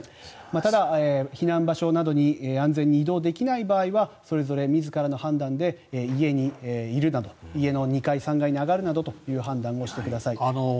ただ、避難場所などに安全に移動できない場合はそれぞれ自らの判断で家にいるなど家の２階、３階に上がるなどと判断をしてください。